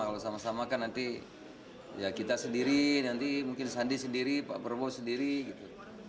kalau sama sama kan nanti ya kita sendiri nanti mungkin sandi sendiri pak prabowo sendiri gitu